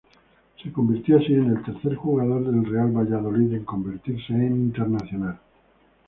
Se convirtió así en el tercer jugador del Real Valladolid en convertirse en internacional.